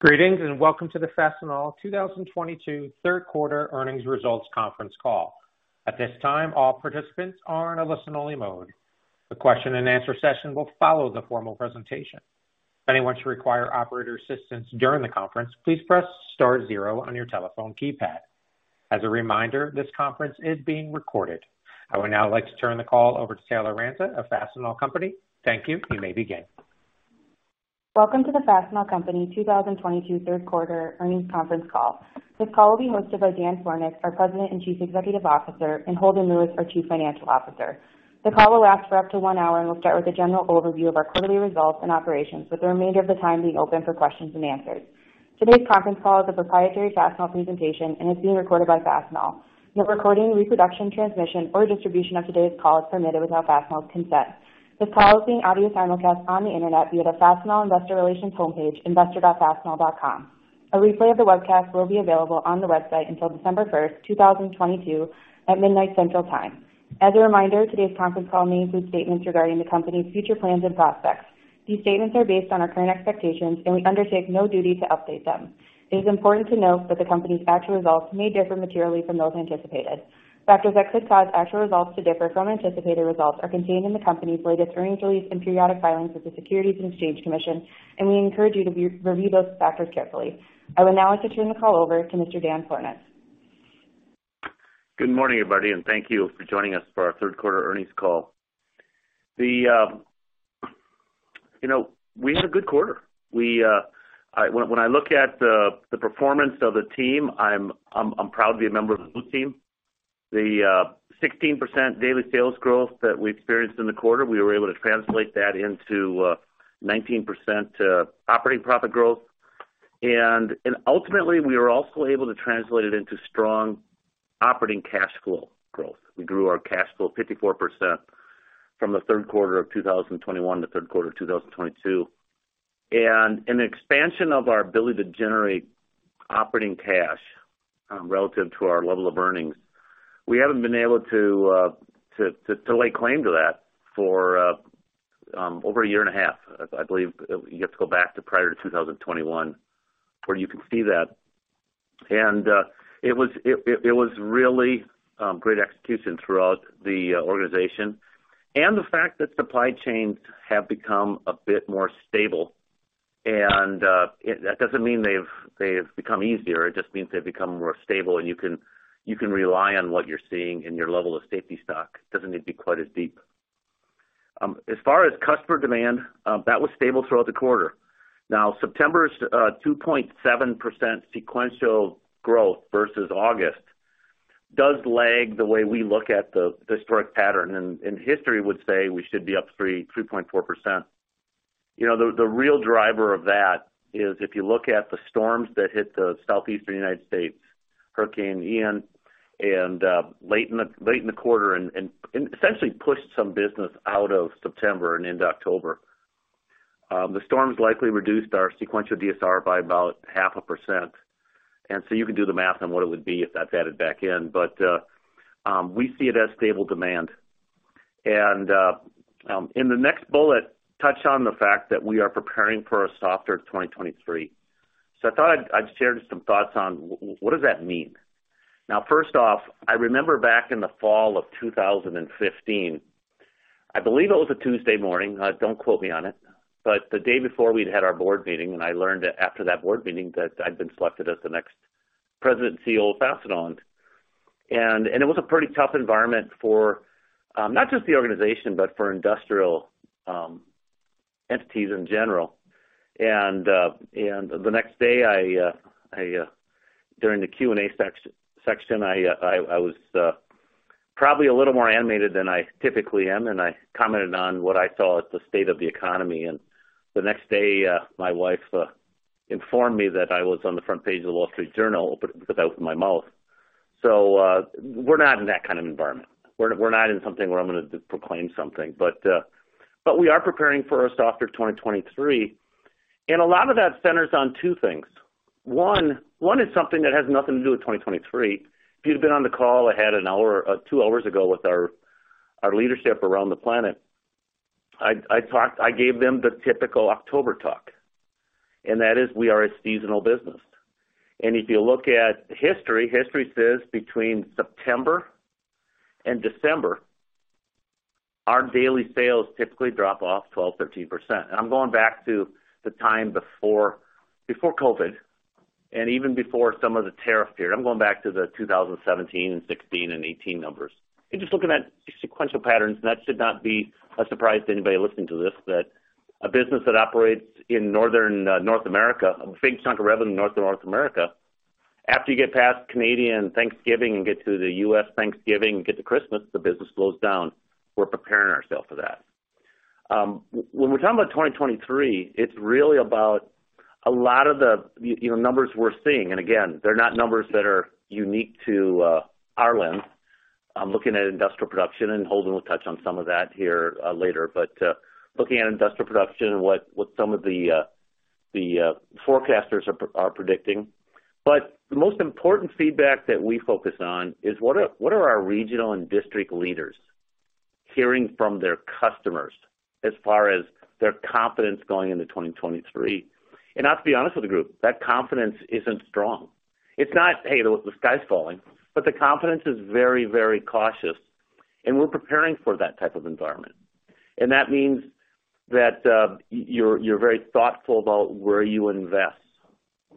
Greetings, and welcome to the Fastenal 2022 third quarter earnings results conference call. At this time, all participants are in a listen-only mode. The question and answer session will follow the formal presentation. If anyone should require operator assistance during the conference, please press star zero on your telephone keypad. As a reminder, this conference is being recorded. I would now like to turn the call over to Taylor Ranta Oborski of Fastenal Company. Thank you. You may begin Welcome to the Fastenal Company 2022 third quarter earnings conference call. This call will be hosted by Dan Florness, our President and Chief Executive Officer, and Holden Lewis, our Chief Financial Officer. The call will last for up to one hour and will start with a general overview of our quarterly results and operations, with the remainder of the time being open for questions and answers. Today's conference call is a proprietary Fastenal presentation and is being recorded by Fastenal. No recording, reproduction, transmission, or distribution of today's call is permitted without Fastenal's consent. This call is being audio simulcast on the Internet via the Fastenal investor relations homepage, investor.fastenal.com. A replay of the webcast will be available on the website until December 1, 2022 at midnight Central Time. As a reminder, today's conference call may include statements regarding the company's future plans and prospects. These statements are based on our current expectations, and we undertake no duty to update them. It is important to note that the company's actual results may differ materially from those anticipated. Factors that could cause actual results to differ from anticipated results are contained in the company's latest earnings release and periodic filings with the Securities and Exchange Commission, and we encourage you to review those factors carefully. I would now like to turn the call over to Mr. Dan Florness. Good morning, everybody, and thank you for joining us for our third quarter earnings call. You know, we had a good quarter. When I look at the performance of the team, I'm proud to be a member of the blue team. The 16% daily sales growth that we experienced in the quarter, we were able to translate that into 19% operating profit growth. Ultimately, we were also able to translate it into strong operating cash flow growth. We grew our cash flow 54% from the third quarter of 2021 to third quarter of 2022. An expansion of our ability to generate operating cash relative to our level of earnings. We haven't been able to lay claim to that for over a year and a half. I believe you have to go back to prior to 2021 where you can see that. It was really great execution throughout the organization. The fact that supply chains have become a bit more stable and that doesn't mean they've become easier. It just means they've become more stable and you can rely on what you're seeing in your level of safety stock. It doesn't need to be quite as deep. As far as customer demand, that was stable throughout the quarter. Now, September's 2.7% sequential growth versus August does lag the way we look at the historic pattern. History would say we should be up 3.4%. You know, the real driver of that is if you look at the storms that hit the southeastern United States, Hurricane Ian and late in the quarter and essentially pushed some business out of September and into October. The storms likely reduced our sequential DSR by about 0.5%. You can do the math on what it would be if that's added back in. We see it as stable demand. In the next bullet, touch on the fact that we are preparing for a softer 2023. I thought I'd share just some thoughts on what does that mean? Now, first off, I remember back in the fall of 2015, I believe it was a Tuesday morning, don't quote me on it, but the day before we'd had our board meeting and I learned after that board meeting that I'd been selected as the next President and CEO of Fastenal. It was a pretty tough environment for, not just the organization, but for industrial, entities in general. The next day, during the Q&A section, I was probably a little more animated than I typically am, and I commented on what I saw as the state of the economy. The next day, my wife informed me that I was on the front page of The Wall Street Journal because I opened my mouth. We're not in that kind of environment. We're not in something where I'm gonna proclaim something. We are preparing for a softer 2023, and a lot of that centers on two things. One is something that has nothing to do with 2023. If you'd have been on the call I had an hour or two hours ago with our leadership around the planet, I talked. I gave them the typical October talk, and that is we are a seasonal business. If you look at history says between September and December, our daily sales typically drop off 12%-13%. I'm going back to the time before COVID and even before some of the tariff period. I'm going back to the 2017 and 2016 and 2018 numbers. Just looking at sequential patterns, that should not be a surprise to anybody listening to this that a business that operates in northern North America, a big chunk of revenue in northern North America, after you get past Canadian Thanksgiving and get to the U.S. Thanksgiving and get to Christmas, the business slows down. We're preparing ourselves for that. When we're talking about 2023, it's really about a lot of the, you know, numbers we're seeing. Again, they're not numbers that are unique to our lens. I'm looking at industrial production, and Holden will touch on some of that here later. Looking at industrial production and what some of the forecasters are predicting. The most important feedback that we focus on is what are our regional and district leaders hearing from their customers as far as their confidence going into 2023. I have to be honest with the group, that confidence isn't strong. It's not, "Hey, the sky's falling," but the confidence is very, very cautious, and we're preparing for that type of environment. That means that you're very thoughtful about where you invest.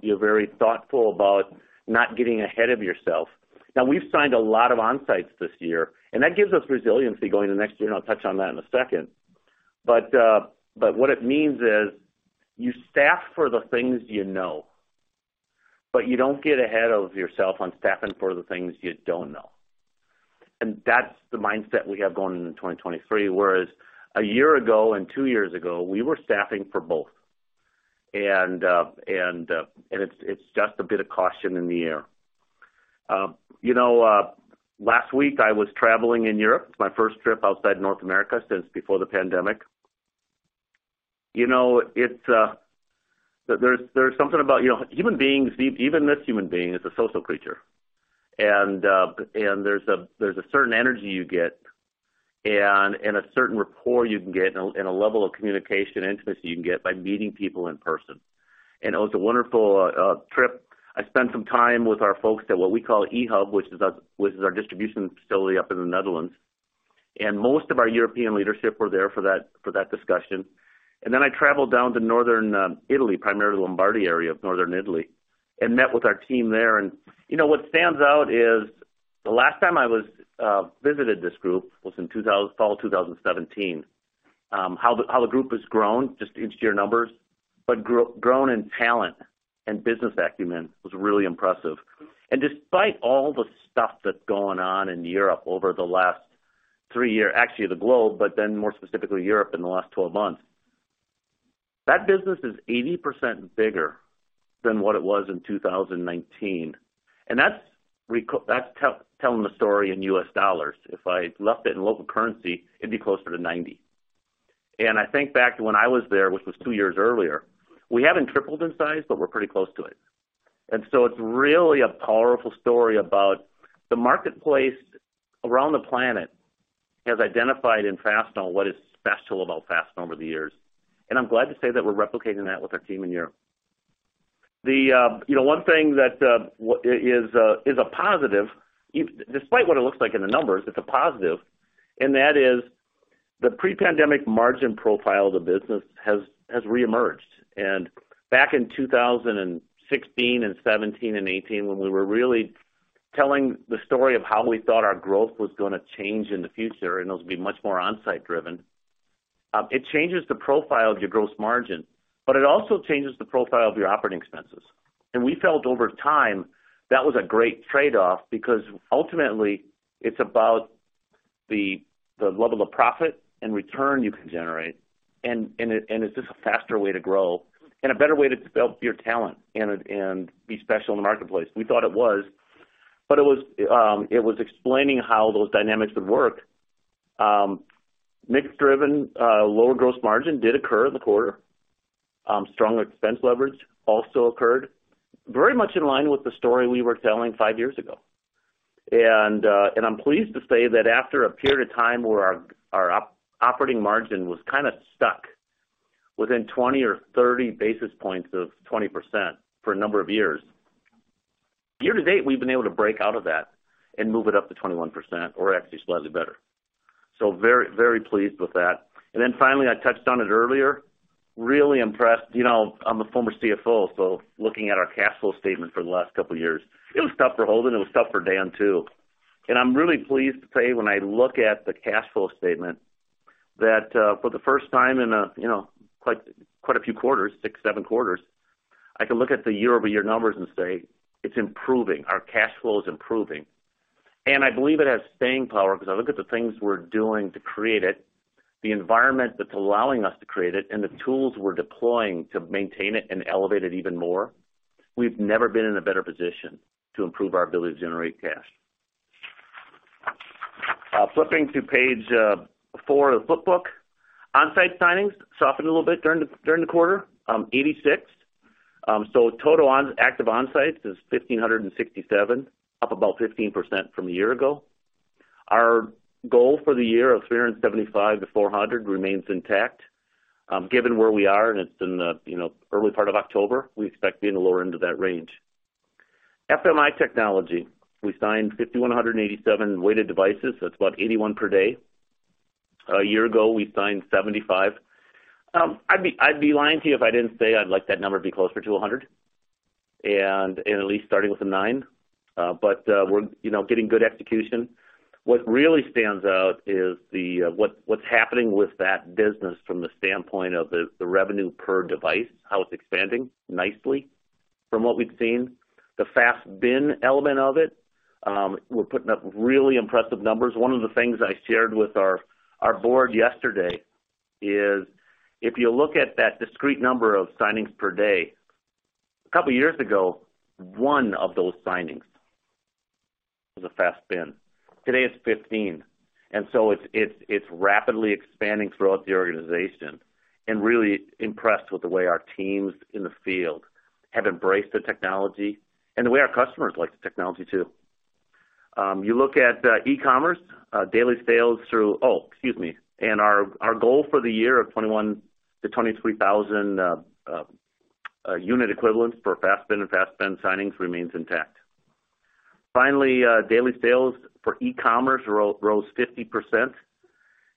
You're very thoughtful about not getting ahead of yourself. Now, we've signed a lot of Onsites this year, and that gives us resiliency going into next year, and I'll touch on that in a second. What it means is you staff for the things you know, but you don't get ahead of yourself on staffing for the things you don't know. That's the mindset we have going into 2023, whereas a year ago and two years ago, we were staffing for both. It's just a bit of caution in the air. You know, last week, I was traveling in Europe. It's my first trip outside North America since before the pandemic. You know, there's something about, you know, human beings, even this human being, is a social creature. There's a certain energy you get and a certain rapport you can get and a level of communication intimacy you can get by meeting people in person. It was a wonderful trip. I spent some time with our folks at what we call E-Hub, which is our distribution facility up in the Netherlands. Most of our European leadership were there for that discussion. Then I traveled down to northern Italy, primarily Lombardy area of northern Italy, and met with our team there. You know, what stands out is the last time I visited this group was in fall 2017. How the group has grown just in sheer numbers, but grown in talent and business acumen was really impressive. Despite all the stuff that's gone on in Europe over the last three years. Actually, the globe, but then more specifically Europe in the last 12 months, that business is 80% bigger than what it was in 2019. That's telling the story in US dollars. If I left it in local currency, it'd be closer to 90%. I think back to when I was there, which was two years earlier, we haven't tripled in size, but we're pretty close to it. It's really a powerful story about the marketplace around the planet has identified in Fastenal what is special about Fastenal over the years. I'm glad to say that we're replicating that with our team in Europe. The one thing that is a positive, despite what it looks like in the numbers, it's a positive, and that is the pre-pandemic margin profile of the business has reemerged. Back in 2016 and 2017 and 2018, when we were really telling the story of how we thought our growth was gonna change in the future, and it was gonna be much more Onsite-driven, it changes the profile of your gross margin, but it also changes the profile of your operating expenses. We felt over time, that was a great trade-off because ultimately, it's about the level of profit and return you can generate, and it's just a faster way to grow and a better way to develop your talent and be special in the marketplace. We thought it was, but it was explaining how those dynamics would work. Mix-driven lower gross margin did occur in the quarter. Strong expense leverage also occurred, very much in line with the story we were telling five years ago. I'm pleased to say that after a period of time where our operating margin was kinda stuck within 20 or 30 basis points of 20% for a number of years. Year to date, we've been able to break out of that and move it up to 21% or actually slightly better. Very, very pleased with that. Then finally, I touched on it earlier, really impressed. You know, I'm a former CFO, so looking at our cash flow statement for the last couple of years, it was tough for Holden, it was tough for Dan, too. I'm really pleased to say when I look at the cash flow statement, that, for the first time in a, you know, quite a few quarters, six, seven quarters, I can look at the year-over-year numbers and say, "It's improving. Our cash flow is improving." I believe it has staying power because I look at the things we're doing to create it, the environment that's allowing us to create it, and the tools we're deploying to maintain it and elevate it even more. We've never been in a better position to improve our ability to generate cash. Flipping to page 4 of the flip book. Onsite signings softened a little bit during the quarter, 86. So total active Onsites is 1,567, up about 15% from a year ago. Our goal for the year of 375-400 remains intact. Given where we are, and it's in the, you know, early part of October, we expect to be in the lower end of that range. FMI Technology, we signed 5,187 weighted devices, so it's about 81 per day. A year ago, we signed 75. I'd be lying to you if I didn't say I'd like that number to be closer to 100 and at least starting with a 9. But we're, you know, getting good execution. What really stands out is what's happening with that business from the standpoint of the revenue per device, how it's expanding nicely from what we've seen. The FASTBin element of it, we're putting up really impressive numbers. One of the things I shared with our board yesterday is if you look at that discrete number of signings per day, a couple of years ago, one of those signings was a FASTBin. Today, it's 15. It's rapidly expanding throughout the organization and really impressed with the way our teams in the field have embraced the technology and the way our customers like the technology too. You look at e-commerce daily sales. Our goal for the year of 21,000-23,000 unit equivalents for FASTBin and FASTBin signings remains intact. Finally, daily sales for e-commerce rose 50%.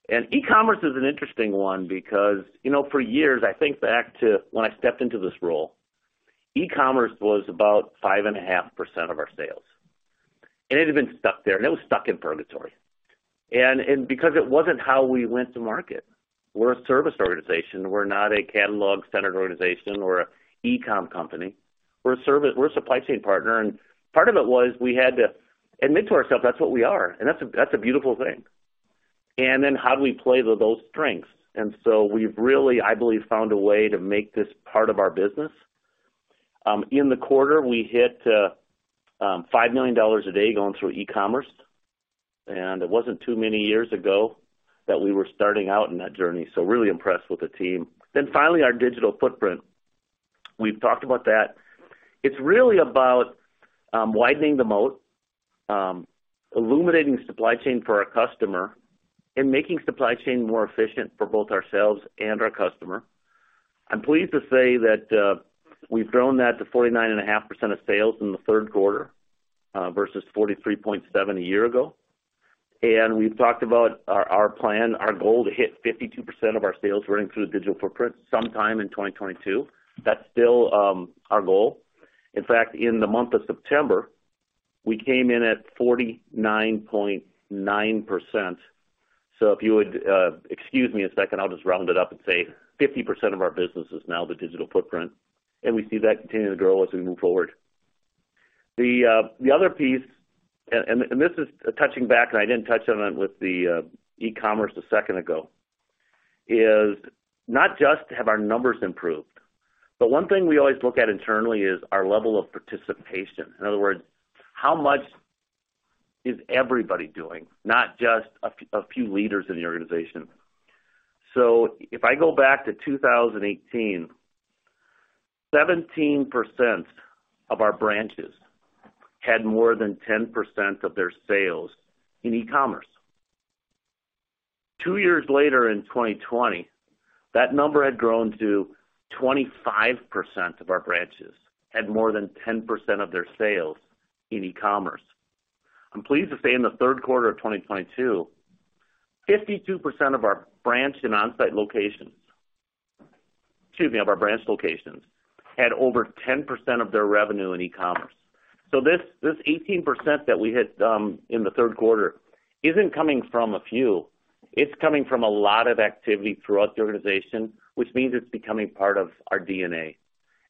E-commerce is an interesting one because, you know, for years, I think back to when I stepped into this role, e-commerce was about 5.5% of our sales, and it had been stuck there, and it was stuck in purgatory. Because it wasn't how we went to market. We're a service organization. We're not a catalog-centered organization or an e-com company. We're a supply chain partner. Part of it was we had to admit to ourselves that's what we are, and that's a beautiful thing. How do we play to those strengths? We've really, I believe, found a way to make this part of our business. In the quarter, we hit $5 million a day going through e-commerce, and it wasn't too many years ago that we were starting out in that journey. Really impressed with the team. Finally, our digital footprint. We've talked about that. It's really about widening the moat, illuminating supply chain for our customer and making supply chain more efficient for both ourselves and our customer. I'm pleased to say that we've grown that to 49.5% of sales in the third quarter versus 43.7% a year ago. We've talked about our plan, our goal to hit 52% of our sales running through the digital footprint sometime in 2022. That's still our goal. In fact, in the month of September, we came in at 49.9%. If you would excuse me a second, I'll just round it up and say 50% of our business is now the digital footprint, and we see that continuing to grow as we move forward. The other piece, and this is touching back, and I didn't touch on it with the e-commerce a second ago, is not just have our numbers improved, but one thing we always look at internally is our level of participation. In other words, how much is everybody doing, not just a few leaders in the organization. If I go back to 2018, 17% of our branches had more than 10% of their sales in e-commerce. Two years later, in 2020, that number had grown to 25% of our branches had more than 10% of their sales in e-commerce. I'm pleased to say in the third quarter of 2022, 52% of our branch and onsite locations, excuse me, of our branch locations had over 10% of their revenue in e-commerce. This 18% that we hit in the third quarter isn't coming from a few. It's coming from a lot of activity throughout the organization, which means it's becoming part of our DNA.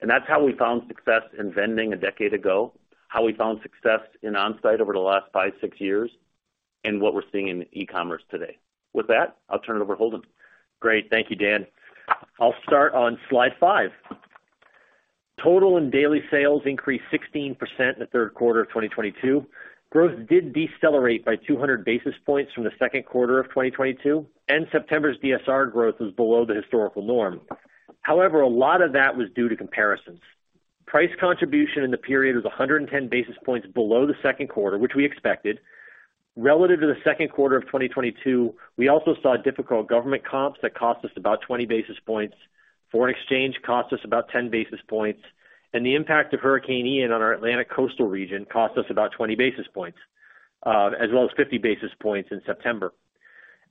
That's how we found success in vending a decade ago, how we found success in onsite over the last five, six years, and what we're seeing in e-commerce today. With that, I'll turn it over to Holden. Great. Thank you, Dan. I'll start on slide five. Total and daily sales increased 16% in the third quarter of 2022. Growth did decelerate by 200 basis points from the second quarter of 2022, and September's DSR growth was below the historical norm. However, a lot of that was due to comparisons. Price contribution in the period was 110 basis points below the second quarter, which we expected. Relative to the second quarter of 2022, we also saw difficult government comps that cost us about 20 basis points. Foreign exchange cost us about 10 basis points, and the impact of Hurricane Ian on our Atlantic coastal region cost us about 20 basis points, as well as 50 basis points in September.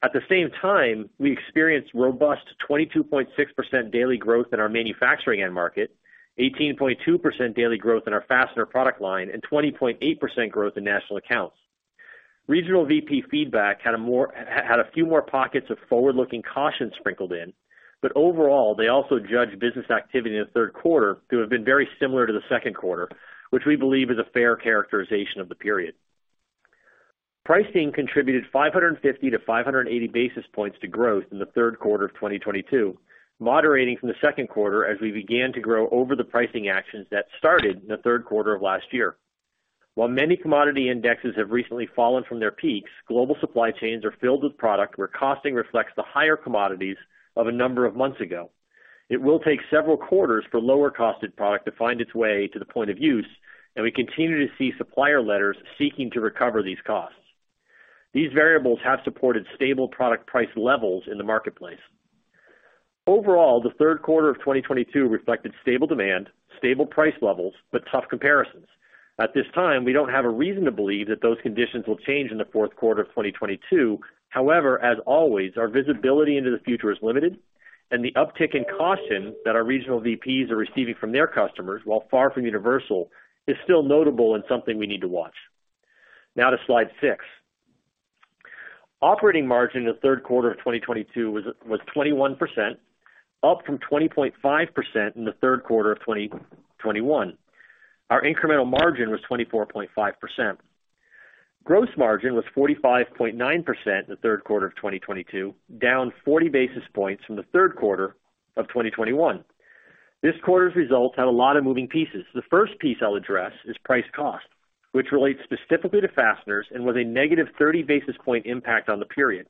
At the same time, we experienced robust 22.6% daily growth in our manufacturing end market, 18.2% daily growth in our fastener product line, and 20.8% growth in national accounts. Regional VP feedback had a few more pockets of forward-looking caution sprinkled in. Overall, they also judge business activity in the third quarter to have been very similar to the second quarter, which we believe is a fair characterization of the period. Pricing contributed 550-580 basis points to growth in the third quarter of 2022, moderating from the second quarter as we began to grow over the pricing actions that started in the third quarter of last year. While many commodity indexes have recently fallen from their peaks, global supply chains are filled with product where costing reflects the higher commodities of a number of months ago. It will take several quarters for lower costed product to find its way to the point of use, and we continue to see supplier letters seeking to recover these costs. These variables have supported stable product price levels in the marketplace. Overall, the third quarter of 2022 reflected stable demand, stable price levels, but tough comparisons. At this time, we don't have a reason to believe that those conditions will change in the fourth quarter of 2022. However, as always, our visibility into the future is limited, and the uptick in caution that our regional VPs are receiving from their customers, while far from universal, is still notable and something we need to watch. Now to slide six. Operating margin in the third quarter of 2022 was 21%, up from 20.5% in the third quarter of 2021. Our incremental margin was 24.5%. Gross margin was 45.9% in the third quarter of 2022, down 40 basis points from the third quarter of 2021. This quarter's results had a lot of moving pieces. The first piece I'll address is price cost, which relates specifically to fasteners and was a negative 30 basis point impact on the period.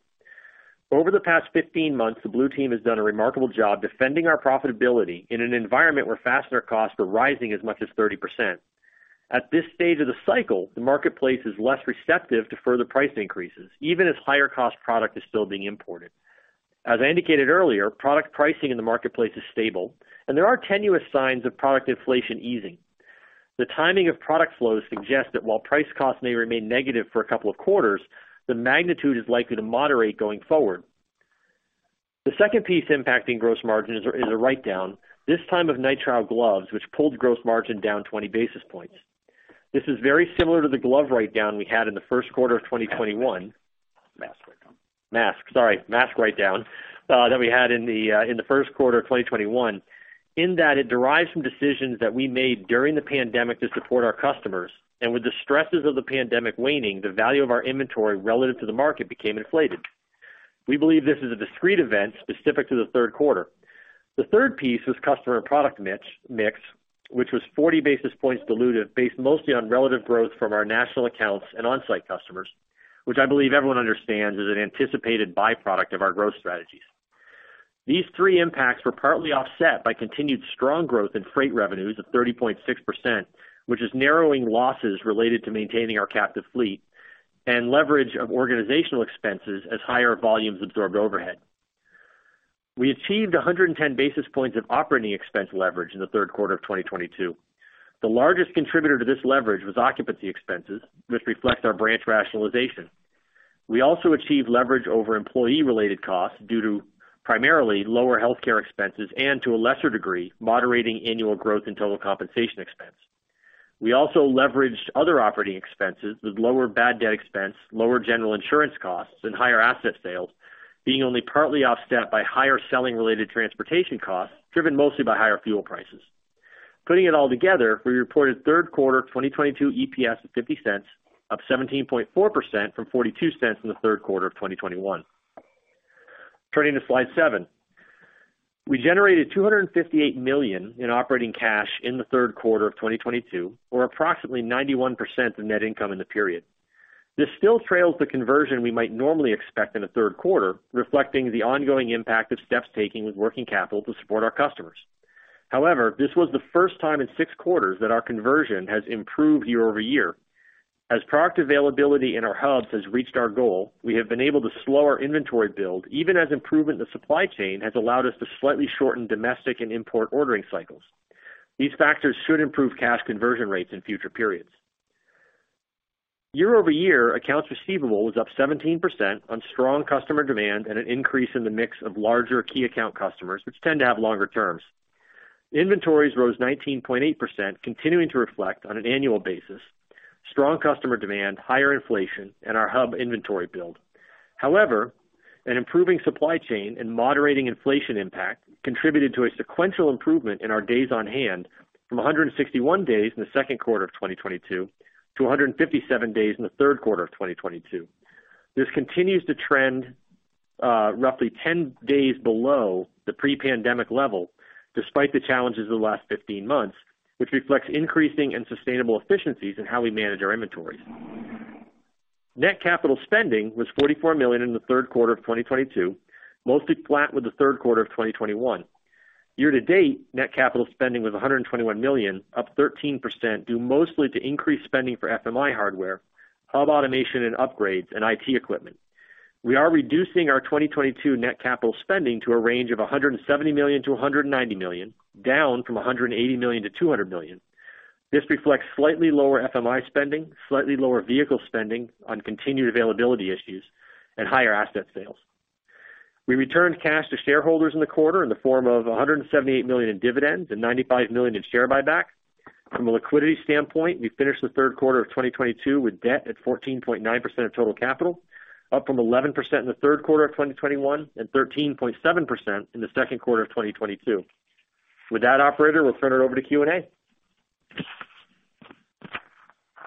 Over the past 15 months, the blue team has done a remarkable job defending our profitability in an environment where fastener costs are rising as much as 30%. At this stage of the cycle, the marketplace is less receptive to further price increases, even as higher cost product is still being imported. As I indicated earlier, product pricing in the marketplace is stable, and there are tenuous signs of product inflation easing. The timing of product flows suggests that while price costs may remain negative for a couple of quarters, the magnitude is likely to moderate going forward. The second piece impacting gross margin is a write-down, this time of nitrile gloves, which pulled gross margin down 20 basis points. This is very similar to the glove write-down we had in the first quarter of 2021. Mask write-down. Mask write-down that we had in the first quarter of 2021, in that it derives from decisions that we made during the pandemic to support our customers. With the stresses of the pandemic waning, the value of our inventory relative to the market became inflated. We believe this is a discrete event specific to the third quarter. The third piece was customer product mix, which was 40 basis points dilutive, based mostly on relative growth from our national accounts and Onsite customers, which I believe everyone understands is an anticipated byproduct of our growth strategies. These three impacts were partly offset by continued strong growth in freight revenues of 30.6%, which is narrowing losses related to maintaining our captive fleet and leverage of organizational expenses as higher volumes absorbed overhead. We achieved 110 basis points of operating expense leverage in the third quarter of 2022. The largest contributor to this leverage was occupancy expenses, which reflects our branch rationalization. We also achieved leverage over employee-related costs due to primarily lower healthcare expenses and to a lesser degree, moderating annual growth and total compensation expense. We also leveraged other operating expenses with lower bad debt expense, lower general insurance costs, and higher asset sales, being only partly offset by higher selling related transportation costs, driven mostly by higher fuel prices. Putting it all together, we reported third quarter 2022 EPS of $0.50, up 17.4% from $0.42 in the third quarter of 2021. Turning to slide seven. We generated $258 million in operating cash in the third quarter of 2022, or approximately 91% of net income in the period. This still trails the conversion we might normally expect in a third quarter, reflecting the ongoing impact of steps taken with working capital to support our customers. However, this was the first time in six quarters that our conversion has improved year-over-year. As product availability in our hubs has reached our goal, we have been able to slow our inventory build, even as improvement in the supply chain has allowed us to slightly shorten domestic and import ordering cycles. These factors should improve cash conversion rates in future periods. Year-over-year, accounts receivable was up 17% on strong customer demand and an increase in the mix of larger key account customers, which tend to have longer terms. Inventories rose 19.8%, continuing to reflect on an annual basis, strong customer demand, higher inflation, and our hub inventory build. However, an improving supply chain and moderating inflation impact contributed to a sequential improvement in our days on hand from 161 days in the second quarter of 2022 to 157 days in the third quarter of 2022. This continues to trend roughly 10 days below the pre-pandemic level, despite the challenges of the last 15 months, which reflects increasing and sustainable efficiencies in how we manage our inventories. Net capital spending was $44 million in the third quarter of 2022, mostly flat with the third quarter of 2021. Year to date, net capital spending was $121 million, up 13%, due mostly to increased spending for FMI hardware, hub automation and upgrades, and IT equipment. We are reducing our 2022 net capital spending to a range of $170 million-$190 million, down from $180 million-$200 million. This reflects slightly lower FMI spending, slightly lower vehicle spending on continued availability issues, and higher asset sales. We returned cash to shareholders in the quarter in the form of $178 million in dividends and $95 million in share buybacks. From a liquidity standpoint, we finished the third quarter of 2022 with debt at 14.9% of total capital, up from 11% in the third quarter of 2021, and 13.7% in the second quarter of 2022. With that, operator, we'll turn it over to Q&A.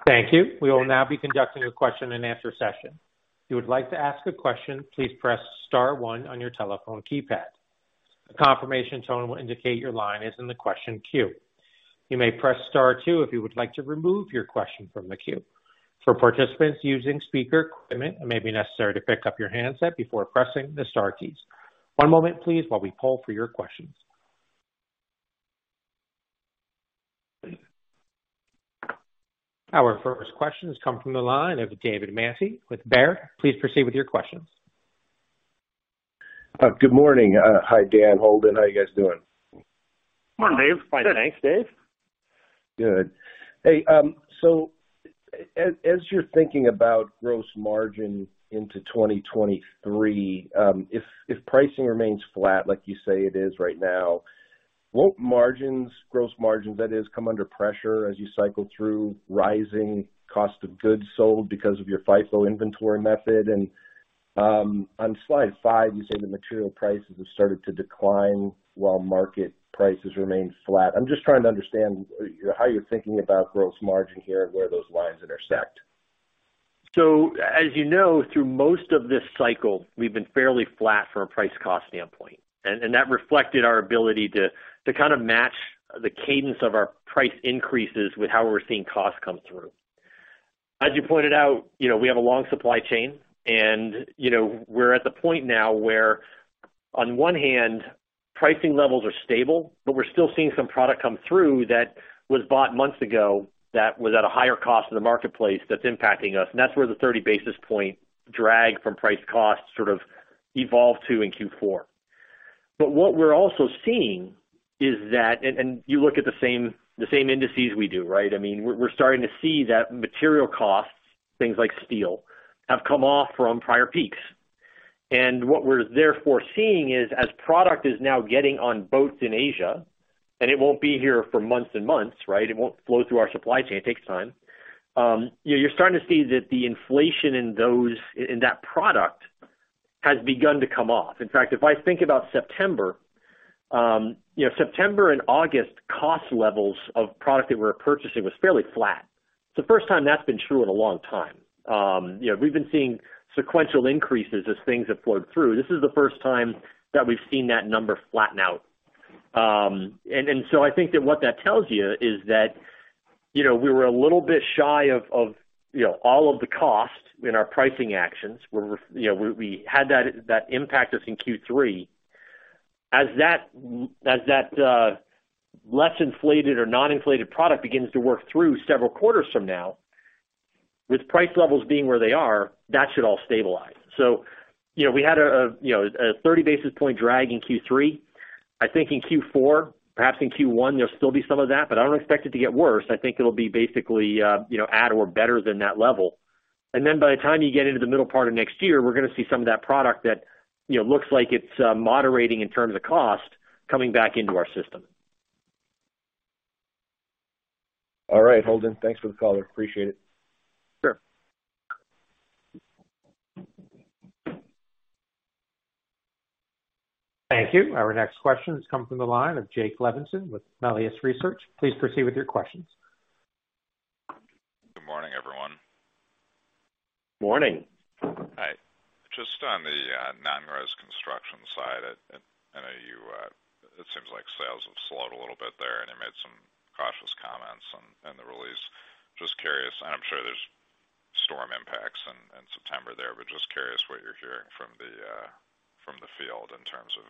Thank you. We will now be conducting a question and answer session. If you would like to ask a question, please press star one on your telephone keypad. A confirmation tone will indicate your line is in the question queue. You may press star two if you would like to remove your question from the queue. For participants using speaker equipment, it may be necessary to pick up your handset before pressing the star keys. One moment please, while we poll for your questions. Our first question has come from the line of David Manthey with Baird. Please proceed with your questions. Good morning. Hi, Dan, Holden. How you guys doing? Morning, Dave. Fine, thanks, Dave. Good. Hey, so as you're thinking about gross margin into 2023, if pricing remains flat, like you say it is right now, won't margins, gross margins that is, come under pressure as you cycle through rising cost of goods sold because of your FIFO inventory method? On slide five, you say the material prices have started to decline while market prices remain flat. I'm just trying to understand how you're thinking about gross margin here and where those lines intersect. As you know, through most of this cycle, we've been fairly flat from a price cost standpoint, and that reflected our ability to kind of match the cadence of our price increases with how we're seeing costs come through. As you pointed out, you know, we have a long supply chain and, you know, we're at the point now where on one hand, pricing levels are stable, but we're still seeing some product come through that was bought months ago that was at a higher cost in the marketplace that's impacting us. That's where the 30 basis point drag from price cost sort of evolved to in Q4. What we're also seeing is that you look at the same indices we do, right? I mean, we're starting to see that material costs, things like steel, have come off from prior peaks. What we're therefore seeing is as product is now getting on boats in Asia, and it won't be here for months and months, right? It won't flow through our supply chain. It takes time. You're starting to see that the inflation in that product has begun to come off. In fact, if I think about September, you know, September and August cost levels of product that we're purchasing was fairly flat. It's the first time that's been true in a long time. You know, we've been seeing sequential increases as things have flowed through. This is the first time that we've seen that number flatten out. I think that what that tells you is that, you know, we were a little bit shy of, you know, all of the costs in our pricing actions, where, you know, we had that impact us in Q3. As that less inflated or non-inflated product begins to work through several quarters from now, with price levels being where they are, that should all stabilize. You know, we had a 30 basis point drag in Q3. I think in Q4, perhaps in Q1, there'll still be some of that, but I don't expect it to get worse. I think it'll be basically, you know, at or better than that level. By the time you get into the middle part of next year, we're gonna see some of that product that, you know, looks like it's moderating in terms of cost coming back into our system. All right, Holden, thanks for the call. Appreciate it. Sure. Thank you. Our next question has come from the line of Jake Levinson with Melius Research. Please proceed with your questions. Good morning, everyone. Morning. Hi. Just on the non-res construction side, I know it seems like sales have slowed a little bit there, and you made some cautious comments in the release. Just curious, and I'm sure there's storm impacts in September there, but just curious what you're hearing from the field in terms of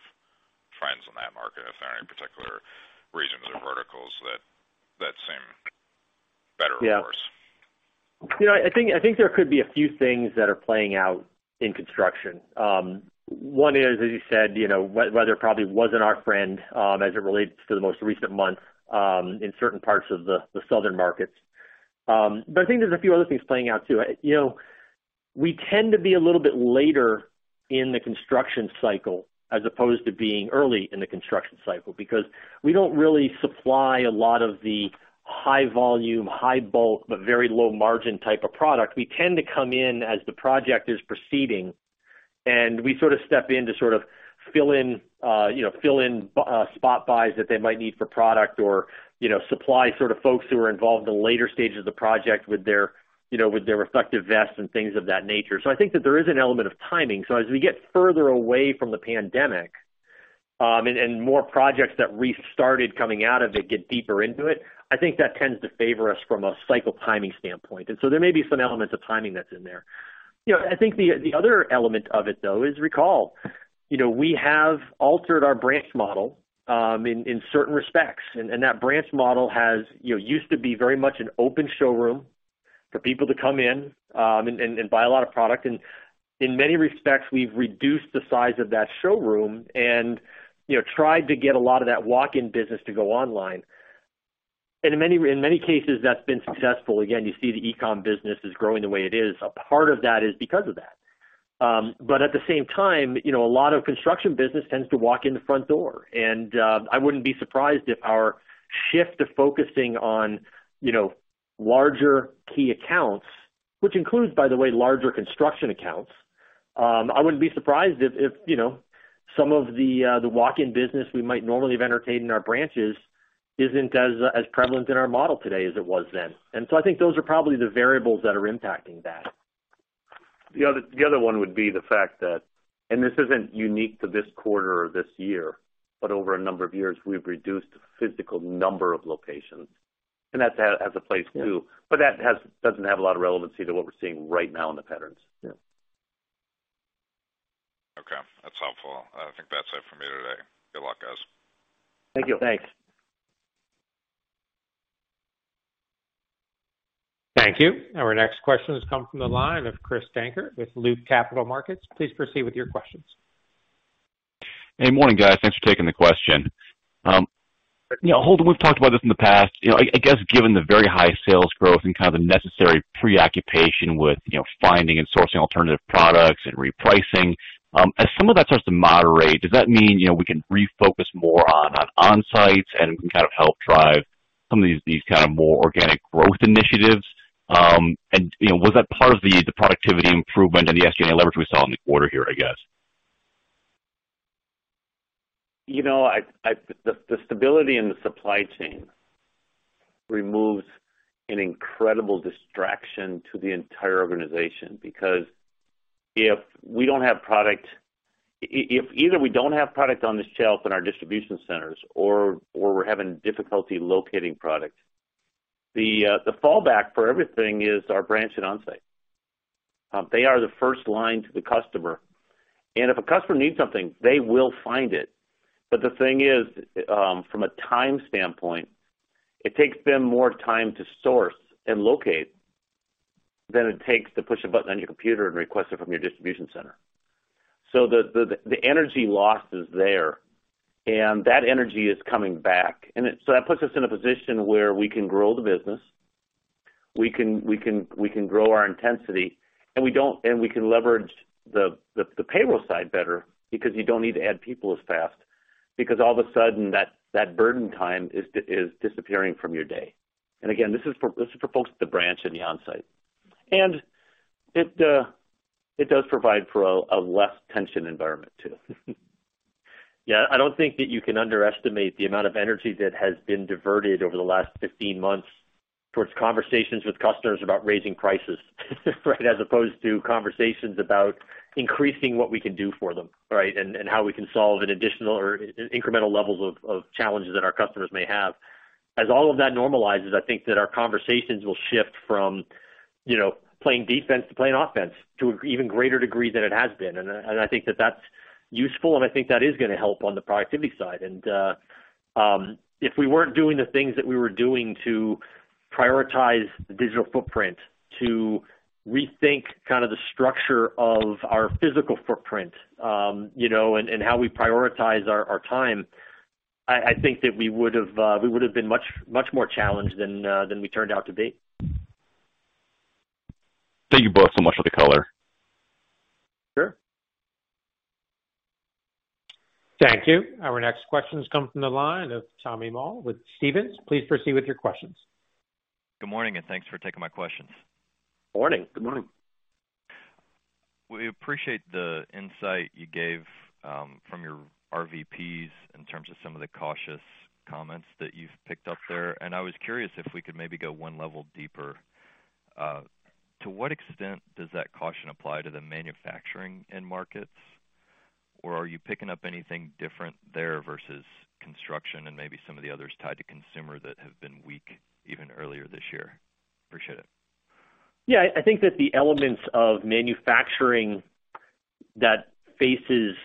trends in that market, if there are any particular regions or verticals that seem better, of course? Yeah. You know, I think there could be a few things that are playing out in construction. One is, as you said, you know, weather probably wasn't our friend, as it relates to the most recent months, in certain parts of the southern markets. I think there's a few other things playing out, too. You know, we tend to be a little bit later in the construction cycle as opposed to being early in the construction cycle because we don't really supply a lot of the high volume, high bulk, but very low margin type of product. We tend to come in as the project is proceeding, and we sort of step in to sort of fill in, you know, spot buys that they might need for product or, you know, supply sort of folks who are involved in the later stages of the project with their, you know, with their respective vests and things of that nature. I think that there is an element of timing. As we get further away from the pandemic, and more projects that restarted coming out of it get deeper into it, I think that tends to favor us from a cycle timing standpoint. There may be some elements of timing that's in there. You know, I think the other element of it, though, is recall. You know, we have altered our branch model in certain respects. That branch model has, you know, used to be very much an open showroom for people to come in, and buy a lot of product. In many respects, we've reduced the size of that showroom and, you know, tried to get a lot of that walk-in business to go online. In many cases, that's been successful. Again, you see the e-com business is growing the way it is. A part of that is because of that. At the same time, you know, a lot of construction business tends to walk in the front door. I wouldn't be surprised if our shift to focusing on, you know, larger key accounts, which includes, by the way, larger construction accounts, I wouldn't be surprised if you know, some of the the walk-in business we might normally have entertained in our branches isn't as prevalent in our model today as it was then. I think those are probably the variables that are impacting that. The other one would be the fact that this isn't unique to this quarter or this year, but over a number of years, we've reduced the physical number of locations, and that's a place too. Yeah. That doesn't have a lot of relevancy to what we're seeing right now in the patterns. Yeah. Okay. That's helpful. I think that's it for me today. Good luck, guys. Thank you. Thanks. Thank you. Our next question has come from the line of Chris Dankert with Loop Capital Markets. Please proceed with your questions. Hey, morning, guys. Thanks for taking the question. You know, Holden, we've talked about this in the past. You know, I guess given the very high sales growth and kind of the necessary preoccupation with, you know, finding and sourcing alternative products and repricing, as some of that starts to moderate, does that mean, you know, we can refocus more on onsites and can kind of help drive some of these kind of more organic growth initiatives? You know, was that part of the productivity improvement and the SG&A leverage we saw in the quarter here, I guess? You know, the stability in the supply chain removes an incredible distraction to the entire organization because if we don't have product on the shelf in our distribution centers or we're having difficulty locating product, the fallback for everything is our branch and Onsite. They are the first line to the customer, and if a customer needs something, they will find it. The thing is, from a time standpoint, it takes them more time to source and locate than it takes to push a button on your computer and request it from your distribution center. The energy lost is there, and that energy is coming back. That puts us in a position where we can grow the business, we can grow our intensity, and we don't and we can leverage the payroll side better because you don't need to add people as fast, because all of a sudden that burden time is disappearing from your day. This is for folks at the branch and the Onsite. It does provide for a less tense environment too. Yeah. I don't think that you can underestimate the amount of energy that has been diverted over the last 15 months towards conversations with customers about raising prices, right? As opposed to conversations about increasing what we can do for them, right? How we can solve an additional or incremental levels of challenges that our customers may have. As all of that normalizes, I think that our conversations will shift from, you know, playing defense to playing offense to an even greater degree than it has been. I think that that's useful, and I think that is gonna help on the productivity side. If we weren't doing the things that we were doing to prioritize the digital footprint, to rethink kind of the structure of our physical footprint, you know, and how we prioritize our time, I think that we would've been much more challenged than we turned out to be. Thank you both so much for the color. Sure. Thank you. Our next question comes from the line of Tommy Moll with Stephens. Please proceed with your questions. Good morning, and thanks for taking my questions. Morning. Good morning. We appreciate the insight you gave from your RVPs in terms of some of the cautious comments that you've picked up there. I was curious if we could maybe go one level deeper. To what extent does that caution apply to the manufacturing end markets? Or are you picking up anything different there versus construction and maybe some of the others tied to consumer that have been weak even earlier this year? Appreciate it. Yeah. I think that the elements of manufacturing that faces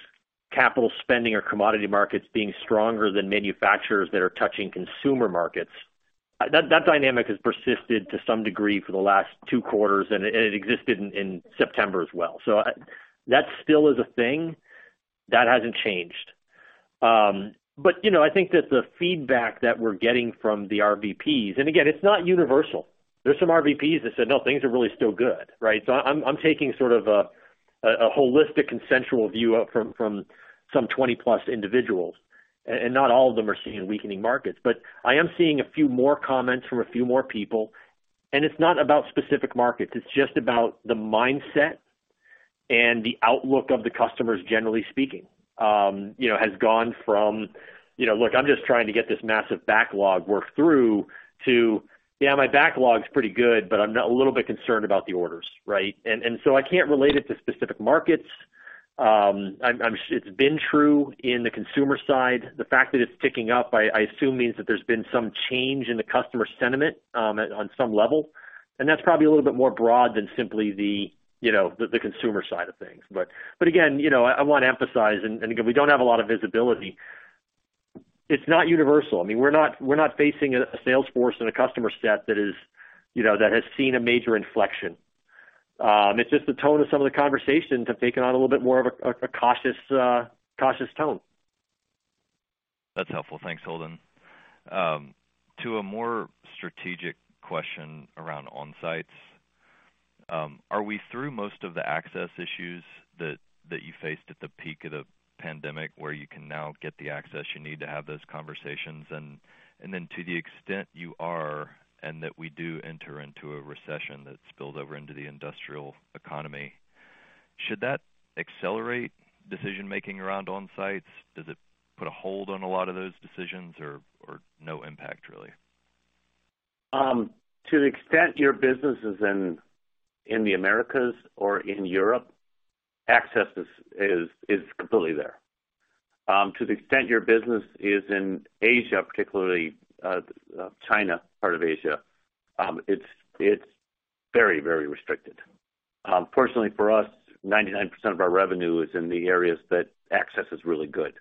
capital spending or commodity markets being stronger than manufacturers that are touching consumer markets, that dynamic has persisted to some degree for the last two quarters, and it existed in September as well. That still is a thing. That hasn't changed. You know, I think that the feedback that we're getting from the RVPs. It's not universal. There's some RVPs that said, "No, things are really still good," right? I'm taking sort of a holistic consensus view from some 20-plus individuals, and not all of them are seeing weakening markets. I am seeing a few more comments from a few more people, and it's not about specific markets, it's just about the mindset and the outlook of the customers, generally speaking. You know, has gone from, you know, "Look, I'm just trying to get this massive backlog worked through," to, "Yeah, my backlog's pretty good, but I'm a little bit concerned about the orders," right? So I can't relate it to specific markets. It's been true in the consumer side. The fact that it's ticking up, I assume means that there's been some change in the customer sentiment on some level. That's probably a little bit more broad than simply the consumer side of things. Again, you know, I want to emphasize, and again, we don't have a lot of visibility. It's not universal. I mean, we're not facing a sales force and a customer set that is, you know, that has seen a major inflection. It's just the tone of some of the conversations have taken on a little bit more of a cautious tone. That's helpful. Thanks, Holden. To a more strategic question around Onsite, are we through most of the access issues that you faced at the peak of the pandemic, where you can now get the access you need to have those conversations? To the extent you are and that we do enter into a recession that spilled over into the industrial economy, should that accelerate decision-making around Onsite? Does it put a hold on a lot of those decisions or no impact really? To the extent your business is in the Americas or in Europe, access is completely there. To the extent your business is in Asia, particularly China, part of Asia, it's very restricted. Fortunately for us, 99% of our revenue is in the areas that access is really good.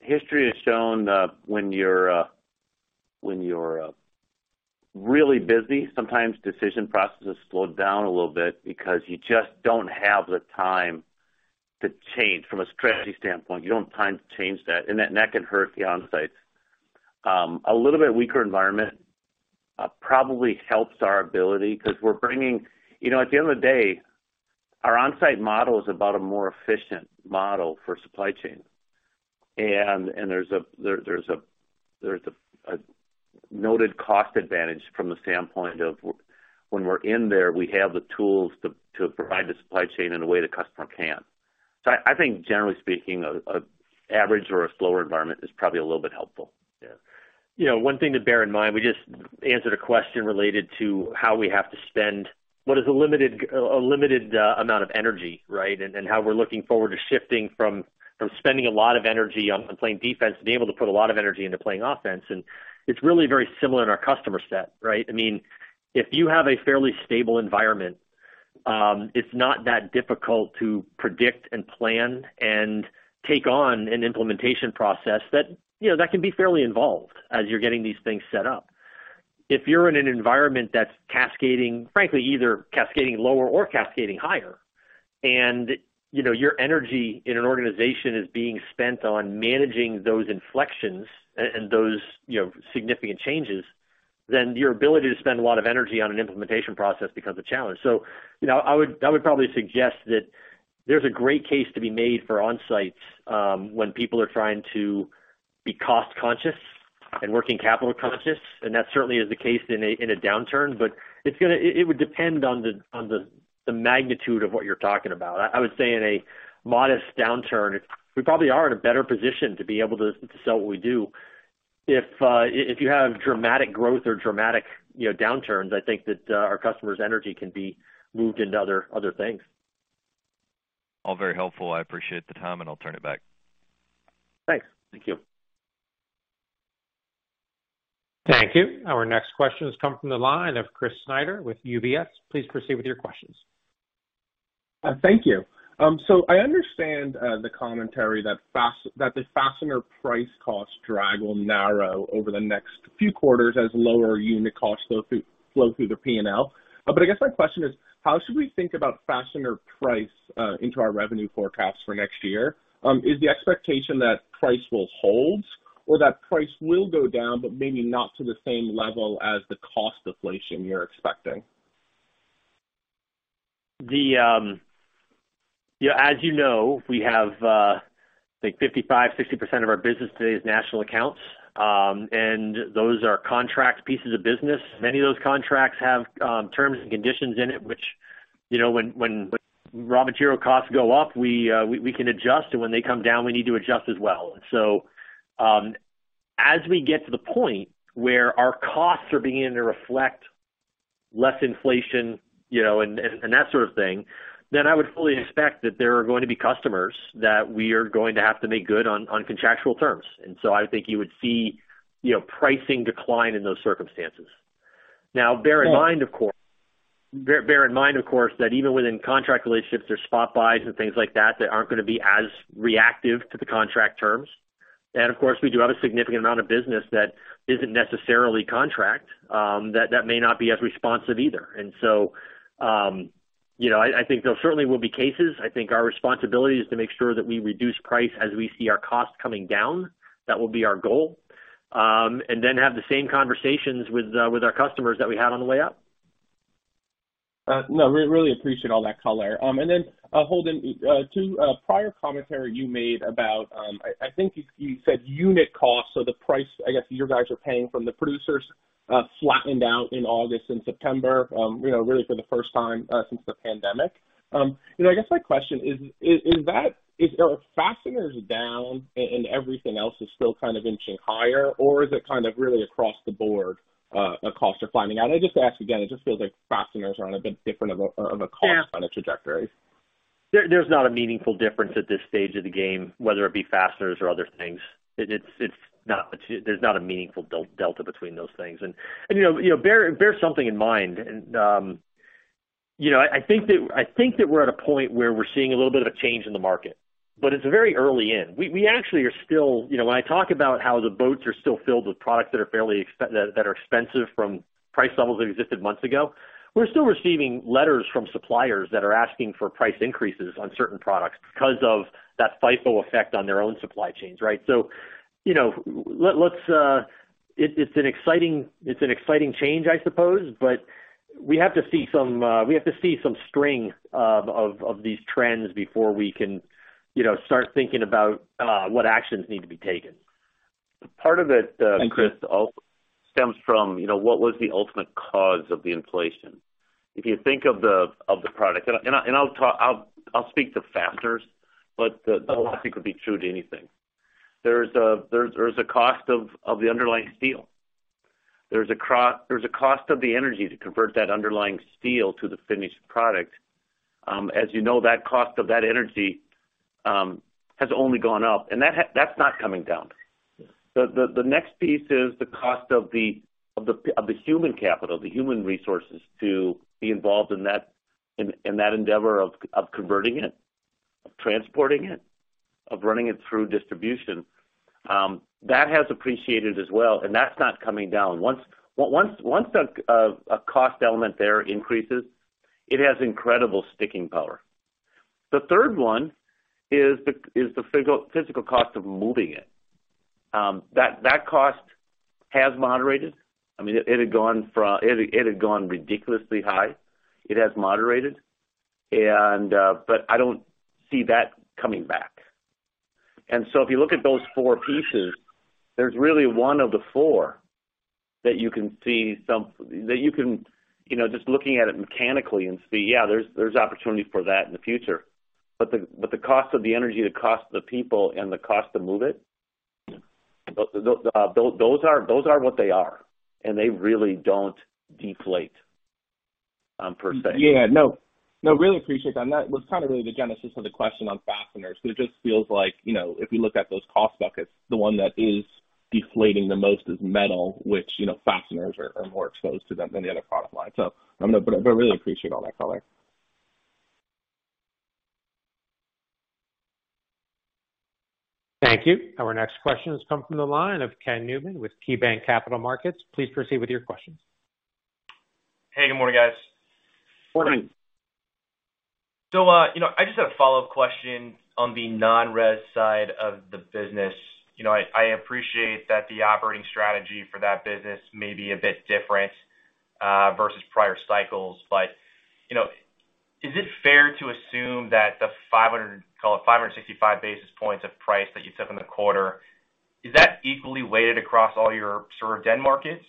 History has shown when you're really busy, sometimes decision processes slow down a little bit because you just don't have the time to change from a strategy standpoint. You don't have time to change that, and that can hurt the Onsites. A little bit weaker environment probably helps our ability. At the end of the day, our Onsite model is about a more efficient model for supply chain. There's a noted cost advantage from the standpoint of when we're in there, we have the tools to provide the supply chain in a way the customer can't. I think generally speaking, average or a slower environment is probably a little bit helpful. Yeah. You know, one thing to bear in mind, we just answered a question related to how we have to spend what is a limited amount of energy, right? How we're looking forward to shifting from spending a lot of energy on playing defense to being able to put a lot of energy into playing offense. It's really very similar in our customer set, right? I mean, if you have a fairly stable environment, it's not that difficult to predict and plan and take on an implementation process that you know that can be fairly involved as you're getting these things set up. If you're in an environment that's cascading, frankly, either cascading lower or cascading higher and, you know, your energy in an organization is being spent on managing those inflections and those, you know, significant changes, then your ability to spend a lot of energy on an implementation process becomes a challenge. You know, I would probably suggest that there's a great case to be made for Onsite when people are trying to be cost conscious and working capital conscious, and that certainly is the case in a downturn. It would depend on the magnitude of what you're talking about. I would say in a modest downturn, we probably are in a better position to be able to sell what we do. If you have dramatic growth or dramatic, you know, downturns, I think that our customers' energy can be moved into other things. All very helpful. I appreciate the time, and I'll turn it back. Thanks. Thank you. Thank you. Our next question has come from the line of Chris Snyder with UBS. Please proceed with your questions. Thank you. I understand the commentary that the fastener price cost drag will narrow over the next few quarters as lower unit costs flow through the P&L. I guess my question is, how should we think about fastener price into our revenue forecast for next year? Is the expectation that price will hold or that price will go down but maybe not to the same level as the cost deflation you're expecting? You know, as you know, we have, I think 55%-60% of our business today is national accounts. Those are contract pieces of business. Many of those contracts have terms and conditions in it, which, you know, when raw material costs go up, we can adjust, and when they come down, we need to adjust as well. As we get to the point where our costs are beginning to reflect less inflation, you know, and that sort of thing, then I would fully expect that there are going to be customers that we are going to have to make good on contractual terms. I would think you would see, you know, pricing decline in those circumstances. Now, bear in mind, of course. Bear in mind, of course, that even within contract relationships, there's spot buys and things like that that aren't gonna be as reactive to the contract terms. Of course, we do have a significant amount of business that isn't necessarily contract, that may not be as responsive either. You know, I think there certainly will be cases. I think our responsibility is to make sure that we reduce price as we see our costs coming down. That will be our goal. Have the same conversations with our customers that we had on the way up. No, we really appreciate all that color. Holden, to prior commentary you made about, I think you said unit costs or the price, I guess, you guys are paying to the producers, flattened out in August and September, you know, really for the first time since the pandemic. You know, I guess my question is that? Are fasteners down and everything else is still kind of inching higher? Or is it kind of really across the board, costs are flattening out? I just ask again, it just feels like fasteners are on a bit different of a cost kind of trajectory. There's not a meaningful difference at this stage of the game, whether it be fasteners or other things. It's not. There's not a meaningful delta between those things. You know, bear something in mind. You know, I think that we're at a point where we're seeing a little bit of a change in the market, but it's very early in. We actually are still. You know, when I talk about how the boats are still filled with products that are fairly expensive from price levels that existed months ago, we're still receiving letters from suppliers that are asking for price increases on certain products because of that FIFO effect on their own supply chains, right? It's an exciting change, I suppose, but we have to see some strength of these trends before we can, you know, start thinking about what actions need to be taken. Part of it. Thanks. Chris. Stems from, you know, what was the ultimate cause of the inflation. If you think of the product. I'll speak to fasteners, but a lot of it could be true to anything. There's a cost of the underlying steel. There's a cost of the energy to convert that underlying steel to the finished product. As you know, that cost of that energy has only gone up, and that's not coming down. The next piece is the cost of the human capital, the human resources to be involved in that endeavor of converting it, of transporting it, of running it through distribution. That has appreciated as well, and that's not coming down. Once a cost element there increases, it has incredible sticking power. The third one is the physical cost of moving it. That cost has moderated. I mean, it had gone ridiculously high. It has moderated. I don't see that coming back. If you look at those four pieces, there's really one of the four that you can see that you can, you know, just looking at it mechanically and see, yeah, there's opportunity for that in the future. But the cost of the energy, the cost of the people, and the cost to move it, those are what they are, and they really don't deflate, per se. Yeah. No. No, really appreciate that. That was kind of really the genesis of the question on fasteners 'cause it just feels like, you know, if you look at those cost buckets, the one that is deflating the most is metal, which, you know, fasteners are more exposed to them than the other product lines. But I really appreciate all that color. Thank you. Our next question has come from the line of Ken Newman with KeyBanc Capital Markets. Please proceed with your questions. Hey, good morning, guys. Morning. You know, I just had a follow-up question on the non-res side of the business. You know, I appreciate that the operating strategy for that business may be a bit different versus prior cycles, but you know, is it fair to assume that the 500... call it 565 basis points of price that you took in the quarter, is that equally weighted across all your sort of end markets?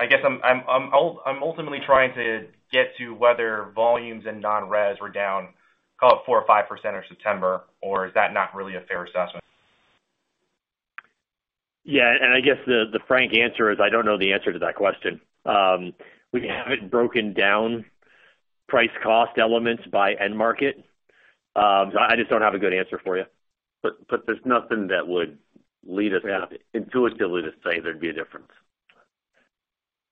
I guess I'm ultimately trying to get to whether volumes and non-res were down, call it 4% or 5% in September, or is that not really a fair assessment? Yeah. I guess the frank answer is I don't know the answer to that question. We haven't broken down price cost elements by end market. So I just don't have a good answer for you. But there's nothing that would lead us intuitively to say there'd be a difference.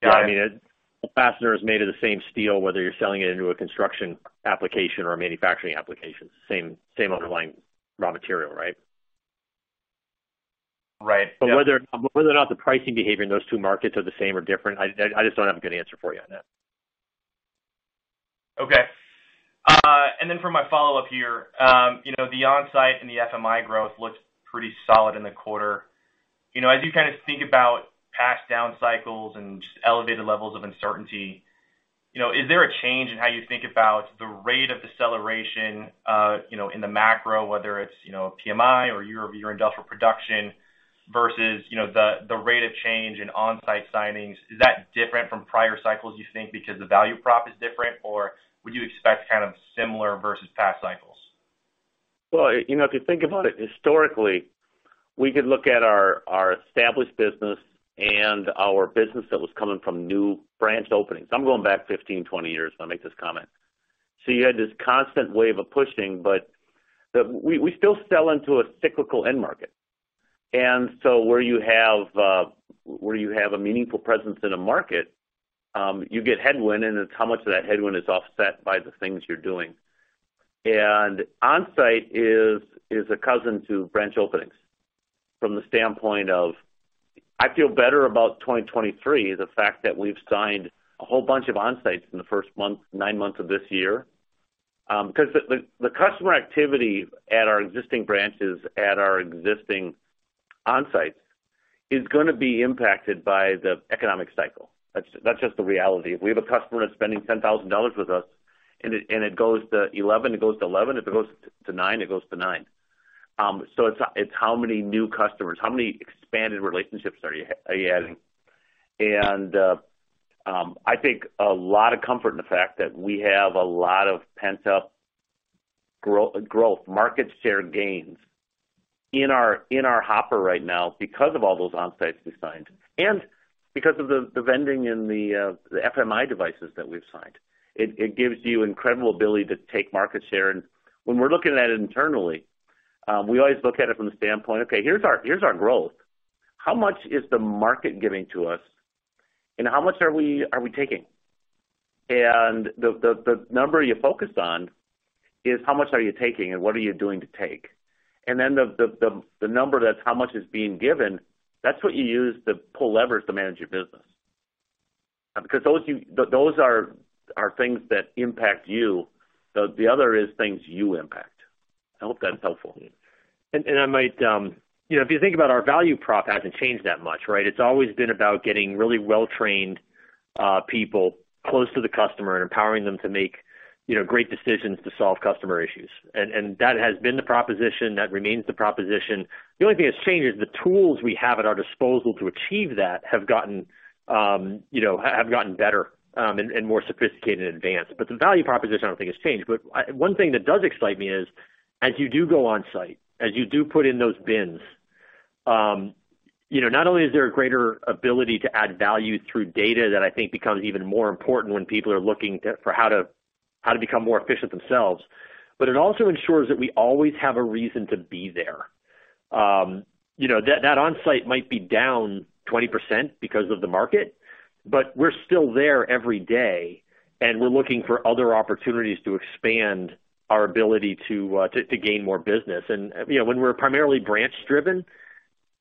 Yeah. I mean, a fastener is made of the same steel, whether you're selling it into a construction application or a manufacturing application. Same, same underlying raw material, right? Right. Whether or not the pricing behavior in those two markets are the same or different, I just don't have a good answer for you on that. Okay. For my follow-up here, you know, the Onsite and the FMI growth looked pretty solid in the quarter. You know, as you kind of think about past down cycles and just elevated levels of uncertainty, you know, is there a change in how you think about the rate of deceleration, you know, in the macro, whether it's, you know, PMI or your industrial production versus, you know, the rate of change in Onsite signings? Is that different from prior cycles, you think, because the value prop is different? Or would you expect kind of similar versus past cycles? Well, you know, if you think about it historically, we could look at our established business and our business that was coming from new branch openings. I'm going back 15, 20 years when I make this comment. You had this constant wave of pushing, but the We still sell into a cyclical end market. Where you have a meaningful presence in a market, you get headwind, and it's how much of that headwind is offset by the things you're doing. Onsite is a cousin to branch openings from the standpoint of I feel better about 2023, the fact that we've signed a whole bunch of Onsites in the first nine months of this year. 'Cause the customer activity at our existing branches, at our existing onsites is gonna be impacted by the economic cycle. That's just the reality. If we have a customer that's spending $10,000 with us and it goes to $11,000. If it goes to $9,000. It's how many new customers, how many expanded relationships are you adding? I take a lot of comfort in the fact that we have a lot of pent-up growth, market share gains in our hopper right now because of all those onsites we signed and because of the vending and the FMI devices that we've signed. It gives you incredible ability to take market share. When we're looking at it internally, we always look at it from the standpoint, okay, here's our growth. How much is the market giving to us, and how much are we taking? The number you focus on is how much are you taking and what are you doing to take? Then the number that's how much is being given, that's what you use to pull levers to manage your business. Because those are things that impact you. The other is things you impact. I hope that's helpful. I might. You know, if you think about our value prop hasn't changed that much, right? It's always been about getting really well-trained people close to the customer and empowering them to make, you know, great decisions to solve customer issues. That has been the proposition. That remains the proposition. The only thing that's changed is the tools we have at our disposal to achieve that have gotten better and more sophisticated and advanced. The value proposition, I don't think has changed. One thing that does excite me is as you do go Onsite, as you do put in those bins, not only is there a greater ability to add value through data that I think becomes even more important when people are looking for how to become more efficient themselves, but it also ensures that we always have a reason to be there. You know, that Onsite might be down 20% because of the market, but we're still there every day, and we're looking for other opportunities to expand our ability to gain more business. You know, when we're primarily branch-driven,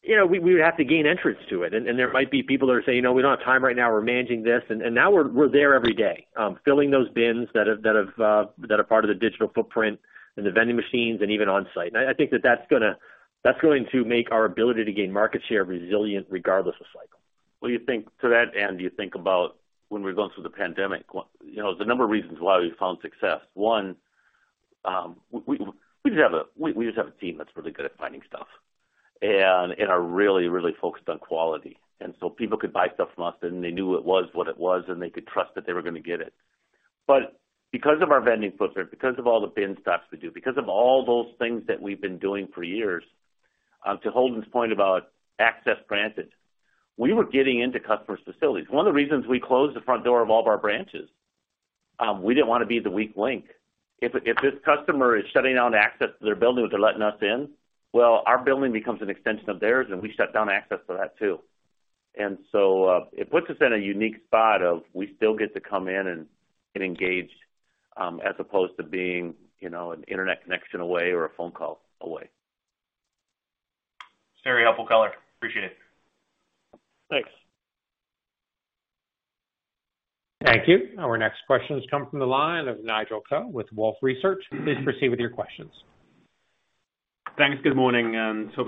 you know, we would have to gain entrance to it. There might be people that are saying, "You know, we don't have time right now. We're managing this." Now we're there every day, filling those bins that are part of the digital footprint and the vending machines and even Onsite. I think that that's going to make our ability to gain market share resilient regardless of cycles. To that end, do you think about when we're going through the pandemic, you know, there's a number of reasons why we found success. One, we just have a team that's really good at finding stuff and are really focused on quality. People could buy stuff from us, and they knew it was what it was, and they could trust that they were gonna get it. Because of our vending footprint, because of all the bin stocks we do, because of all those things that we've been doing for years, to Holden's point about access granted, we were getting into customers' facilities. One of the reasons we closed the front door of all of our branches, we didn't wanna be the weak link. If this customer is shutting down access to their building, but they're letting us in, well, our building becomes an extension of theirs, and we shut down access to that too. It puts us in a unique spot of we still get to come in and get engaged, as opposed to being, you know, an internet connection away or a phone call away. Very helpful color. Appreciate it. Thanks. Thank you. Our next question has come from the line of Nigel Coe with Wolfe Research. Please proceed with your questions. Thanks. Good morning, hope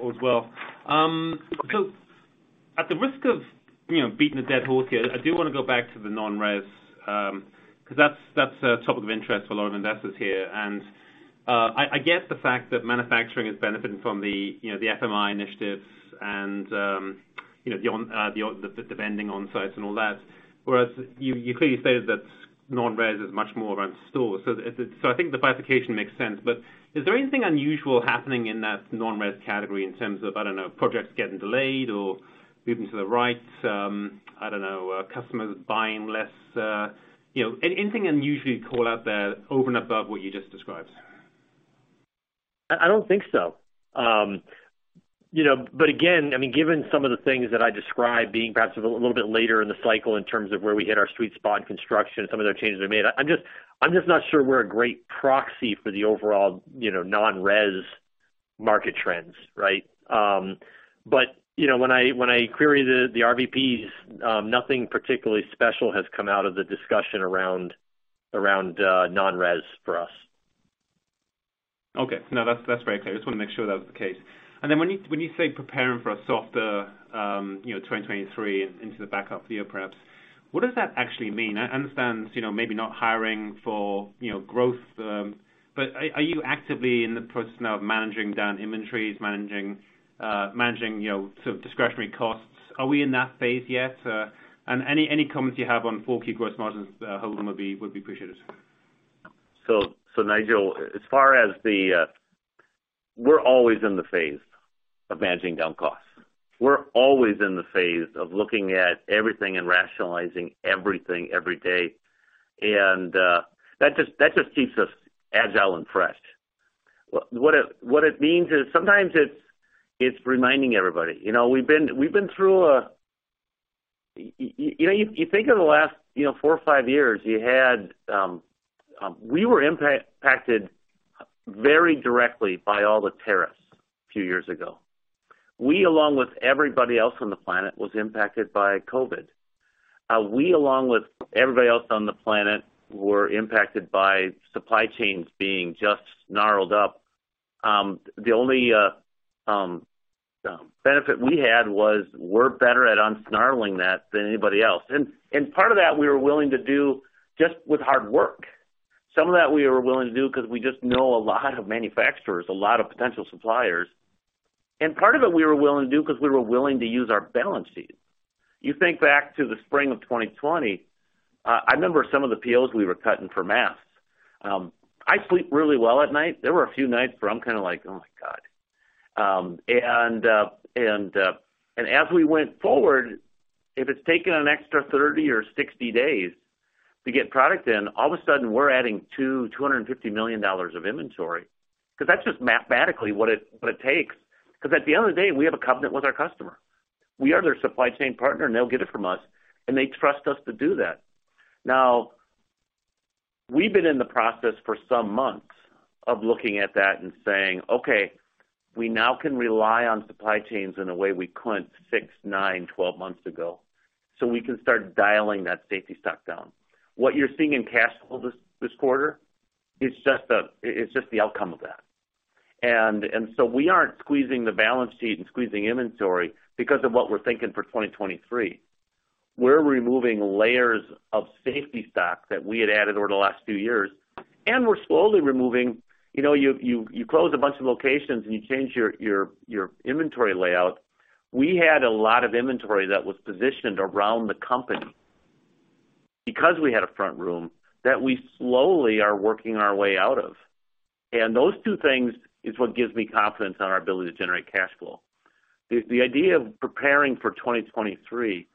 all is well. At the risk of, you know, beating a dead horse here, I do wanna go back to the non-res, 'cause that's a topic of interest for a lot of investors here. I get the fact that manufacturing is benefiting from the, you know, the FMI initiatives and, you know, the vending onsite and all that. Whereas you clearly stated that non-res is much more around stores. I think the classification makes sense, but is there anything unusual happening in that non-res category in terms of, I don't know, projects getting delayed or moving to the right? I don't know, customers buying less, you know, anything unusual to call out there over and above what you just described? I don't think so. You know, but again, I mean, given some of the things that I described being perhaps a little bit later in the cycle in terms of where we hit our sweet spot in construction and some of the changes we made, I'm just not sure we're a great proxy for the overall, you know, non-res market trends, right? You know, when I query the RVPs, nothing particularly special has come out of the discussion around non-res for us. No, that's very clear. Just wanna make sure that's the case. When you say preparing for a softer, you know, 2023 into the back half of the year perhaps, what does that actually mean? I understand, you know, maybe not hiring for, you know, growth, but are you actively in the process now of managing down inventories, managing, you know, sort of discretionary costs? Are we in that phase yet? And any comments you have on 4Q gross margins, Holden, would be appreciated. Nigel, as far as the, we're always in the phase of managing down costs. We're always in the phase of looking at everything and rationalizing everything every day. That just keeps us agile and fresh. What it means is sometimes it's reminding everybody. You know, we've been through. You know, you think of the last, you know, four or five years, you had we were impacted very directly by all the tariffs a few years ago. We, along with everybody else on the planet, was impacted by COVID. We, along with everybody else on the planet, were impacted by supply chains being just snarled up. The only benefit we had was we're better at unsnarling that than anybody else. Part of that we were willing to do just with hard work. Some of that we were willing to do 'cause we just know a lot of manufacturers, a lot of potential suppliers. Part of it we were willing to do 'cause we were willing to use our balance sheet. You think back to the spring of 2020, I remember some of the POs we were cutting for masks. I sleep really well at night. There were a few nights where I'm kinda like, "Oh, my God." As we went forward, if it's taken an extra 30 or 60 days to get product in, all of a sudden we're adding $250 million of inventory 'cause that's just mathematically what it takes. 'Cause at the end of the day, we have a covenant with our customer. We are their supply chain partner, and they'll get it from us, and they trust us to do that. Now, we've been in the process for some months of looking at that and saying, "Okay, we now can rely on supply chains in a way we couldn't 6, 9, 12 months ago, so we can start dialing that safety stock down." What you're seeing in cash flow this quarter is just the outcome of that. We aren't squeezing the balance sheet and squeezing inventory because of what we're thinking for 2023. We're removing layers of safety stock that we had added over the last few years, and we're slowly removing. You know, you close a bunch of locations and you change your inventory layout. We had a lot of inventory that was positioned around the company, because we had a front room, that we slowly are working our way out of. Those two things is what gives me confidence on our ability to generate cash flow. The idea of preparing for 2023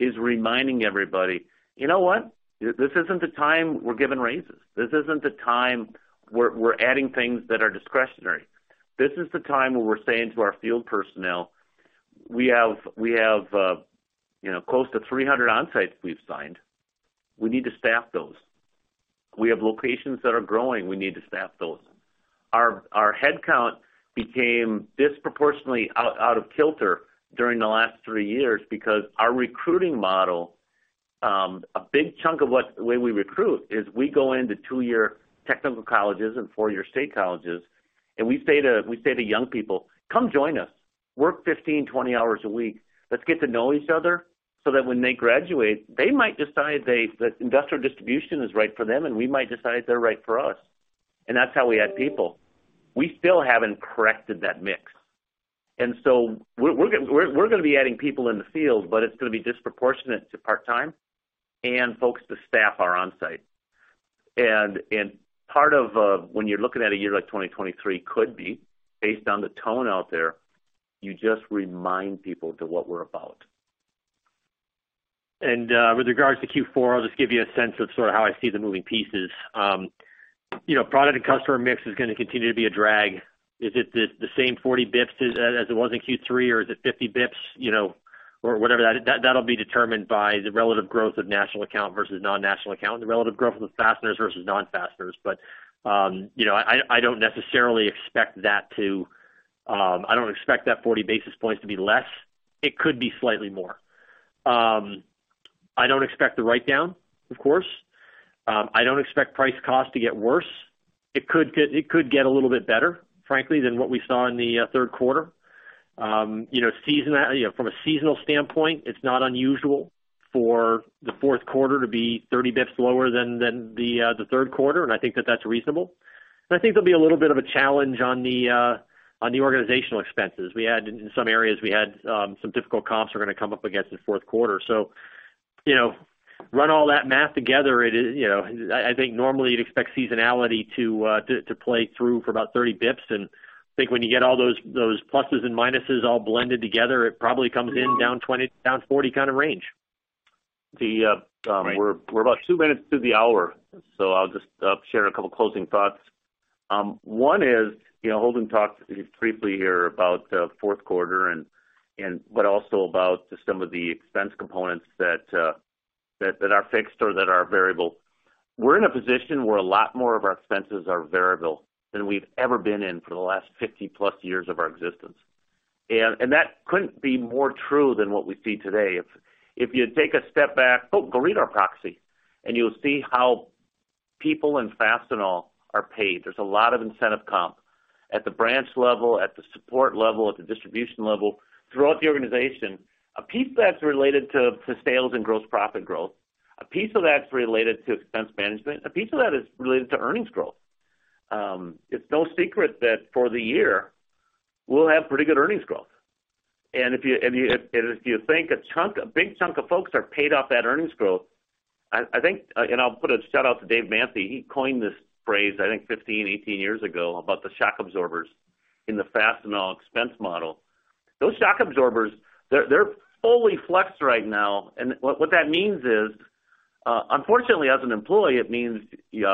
is reminding everybody, "You know what? This isn't the time we're giving raises. This isn't the time we're adding things that are discretionary." This is the time where we're saying to our field personnel, "We have you know close to 300 on-sites we've signed. We have locations that are growing. We need to staff those." Our head count became disproportionately out of kilter during the last 3 years because our recruiting model, a big chunk of the way we recruit is we go into 2-year technical colleges and 4-year state colleges, and we say to young people, "Come join us. Work 15, 20 hours a week. Let's get to know each other." So that when they graduate, they might decide that industrial distribution is right for them, and we might decide they're right for us. That's how we add people. We still haven't corrected that mix. We're gonna be adding people in the field, but it's gonna be disproportionate to part-time and folks to staff our Onsite. Part of when you're looking at a year like 2023 could be, based on the tone out there, you just remind people to what we're about. With regards to Q4, I'll just give you a sense of sort of how I see the moving pieces. You know, product and customer mix is gonna continue to be a drag. Is it the same 40 basis points as it was in Q3, or is it 50 basis points, you know? Or whatever. That'll be determined by the relative growth of national account versus non-national account, the relative growth of fasteners versus non-fasteners. You know, I don't expect that 40 basis points to be less. It could be slightly more. I don't expect the write-down, of course. I don't expect price cost to get worse. It could get a little bit better, frankly, than what we saw in the third quarter. You know, from a seasonal standpoint, it's not unusual for the fourth quarter to be 30 basis points lower than the third quarter, and I think that's reasonable. I think there'll be a little bit of a challenge on the operating expenses. In some areas, we had some difficult comps we're gonna come up against in fourth quarter. You know, run all that math together, it is, you know. I think normally you'd expect seasonality to play through for about 30 basis points. I think when you get all those pluses and minuses all blended together, it probably comes in down 20-40 kind of range. The, uh- Right. We're about two minutes to the hour, so I'll just share a couple closing thoughts. One is, you know, Holden talked briefly here about fourth quarter and but also about some of the expense components that are fixed or that are variable. We're in a position where a lot more of our expenses are variable than we've ever been in for the last 50-plus years of our existence. That couldn't be more true than what we see today. If you take a step back. Go read our proxy and you'll see how people in Fastenal are paid. There's a lot of incentive comp at the branch level, at the support level, at the distribution level, throughout the organization. A piece of that's related to sales and gross profit growth. A piece of that's related to expense management. A piece of that is related to earnings growth. It's no secret that for the year, we'll have pretty good earnings growth. If you think a chunk, a big chunk of folks are paid off that earnings growth, I think, and I'll put a shout-out to Dave Manthey, he coined this phrase, I think 15, 18 years ago, about the shock absorbers in the Fastenal expense model. Those shock absorbers, they're fully flexed right now. What that means is, unfortunately, as an employee, it means you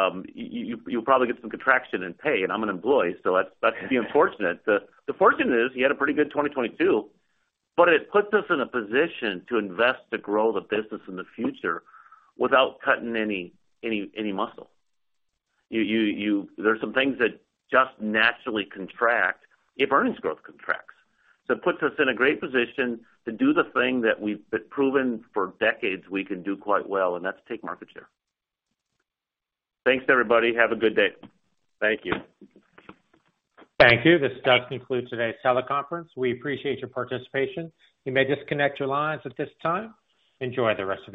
you'll probably get some contraction in pay, and I'm an employee, so that's the unfortunate. The fortunate thing is we had a pretty good 2022, but it puts us in a position to invest to grow the business in the future without cutting any muscle. There's some things that just naturally contract if earnings growth contracts. It puts us in a great position to do the thing that we've proven for decades we can do quite well, and that's take market share. Thanks, everybody. Have a good day. Thank you. Thank you. This does conclude today's teleconference. We appreciate your participation. You may disconnect your lines at this time. Enjoy the rest of your day.